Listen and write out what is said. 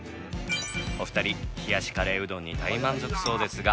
お二人冷やしカレーうどんに大満足そうですが。